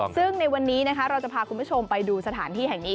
ซึ่งในวันนี้นะคะเราจะพาคุณผู้ชมไปดูสถานที่แห่งนี้